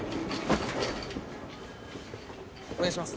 お願いします。